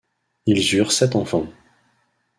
Ils eurent sept enfants.